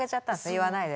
言わないで。